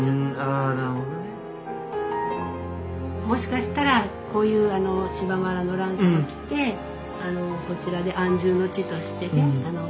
もしかしたらこういう島原の乱から来てこちらで安住の地としてね